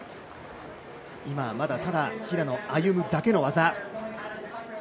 今まだ、ただ平野歩夢だけの技。